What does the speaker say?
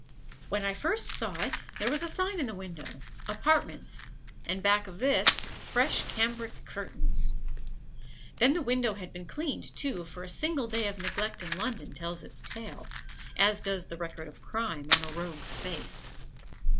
When I first saw it, there was a sign in the window, "Apartments," and back of this fresh cambric curtains. Then the window had been cleaned, too, for a single day of neglect in London tells its tale, as does the record of crime on a rogue's face.